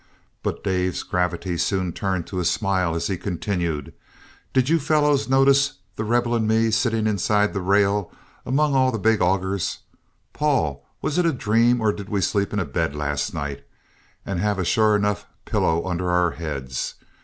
But Dave's gravity soon turned to a smile as he continued: "Did you fellows notice The Rebel and me sitting inside the rail among all the big augers? Paul, was it a dream, or did we sleep in a bed last night and have a sure enough pillow under our heads?